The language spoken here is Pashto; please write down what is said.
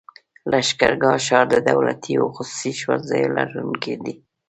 لښکرګاه ښار د دولتي او خصوصي ښوونځيو لرونکی دی.